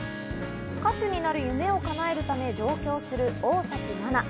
歌手になる夢をかなえるため上京する、大崎ナナ。